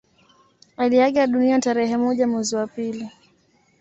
Aliaga dunia tarehe moja mwezi wa pili